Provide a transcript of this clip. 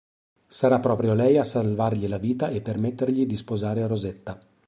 Sarà proprio lei a salvargli la vita e permettergli di sposare Rosetta.